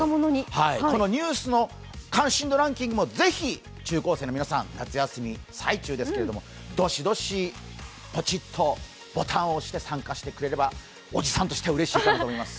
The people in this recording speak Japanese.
このニュースの関心度ランキングもぜひ、中高生の皆さん、夏休みの最中ですけどどしどし、ぽちっとボタンを押して参加してくれればおじさんとしてはうれしいかなと思います。